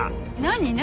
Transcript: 何？